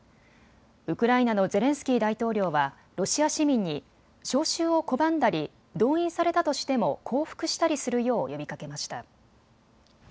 ウクライナのゼレンスキー大統領はロシア市民に招集を拒んだり動員されたとしても降伏したりするよう呼びかけました。